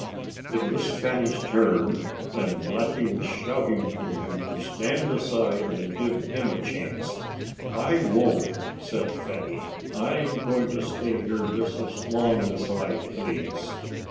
It was Fatty's turn, and Blackie was shouting to him to stand aside and give him a chance. "I won't!" said Fatty. "I'm going to stay here just as long as I please."